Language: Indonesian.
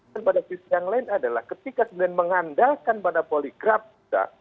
dan pada sisi yang lain adalah ketika kemudian mengandalkan pada poligraf kita